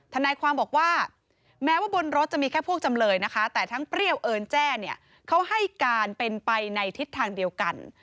ทนายความบอกว่าแม้ว่าบนรถจะมีแค่พวกจำเลยนะคะแต่ทั้งเปรี้ยวเอิญแจ้เนี่ยเขาให้การเป็นไปในทิศทางเดียวกัน